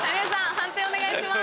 判定お願いします。